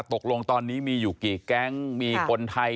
ตกลงตอนนี้มีอยู่กี่แก๊งมีคนไทย